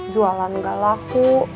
jualan gak laku